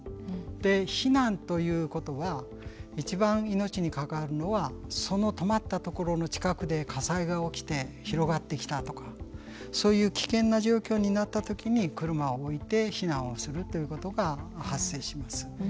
で避難ということは一番命に関わるのはその止まったところの近くで火災が起きて広がってきたとかそういう危険な状況になった時に車を置いて避難をするということが発生します。